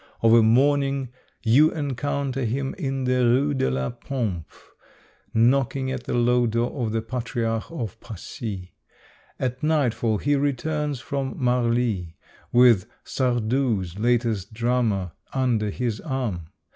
Of a morning you en counter him in the Rue de la Pompe, knocking at the low door of the Patriarch of Passy. At nightfall he returns from Marly with Sardou's latest drama under his arm.